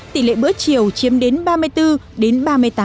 tỷ lệ bữa chiều chiếm đến ba mươi bốn đến ba mươi tám